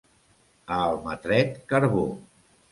A Almatret, carbó.